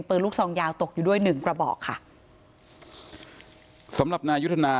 ปืนลูกซองยาวตกอยู่ด้วยหนึ่งกระบอกค่ะสำหรับนายุทธนา